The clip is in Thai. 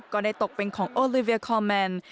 ก็ได้ตกเป็นของโอลิเวียคอแมน